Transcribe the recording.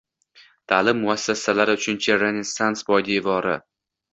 Ta’lim muassasalari – “Uchinchi renesans” poydevori